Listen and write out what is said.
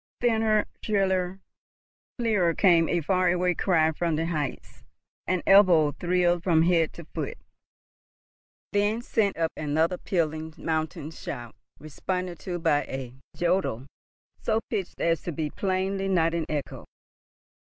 Thinner, shriller, clearer came a far away cry from the heights, and Ebbo thrilled from head to foot, then sent up another pealing mountain shout, responded to by a jodel so pitched as to be plainly not an echo.